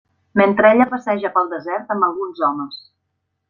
Mentre ella passeja pel desert amb alguns homes.